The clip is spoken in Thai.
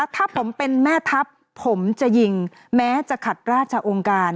ถ้าผมเป็นแม่ทัพผมจะยิงแม้จะขัดราชองค์การ